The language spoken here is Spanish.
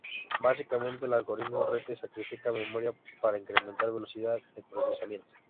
Básicamente, el algoritmo Rete sacrifica memoria para incrementar velocidad de procesamiento.